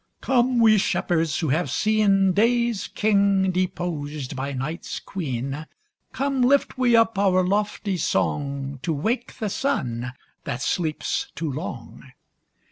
COME we shepherds who have seen Day's king deposed by Night's queen. Come lift we up our lofty song, To wake the Sun that sleeps too long.